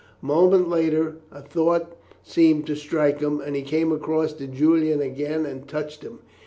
A moment later a thought seemed to strike him, and he came across to Julian again and touched him.